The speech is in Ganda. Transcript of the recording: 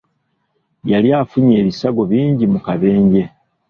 Yali afunye ebisago bingi mu kabenja.